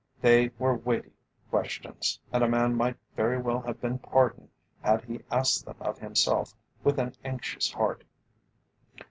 They were weighty questions, and a man might very well have been pardoned had he asked them of himself with an anxious heart.